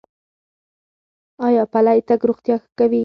ایا پلی تګ روغتیا ښه کوي؟